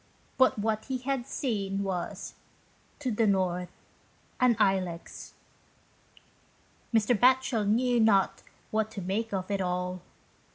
But what he had seen was " to the north, an Ilex." Mr. Batchel knew not what to make of it all.